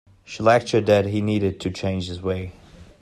She lectured that he needed to change his ways.